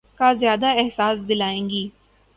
کا زیادہ احساس دلائیں گی۔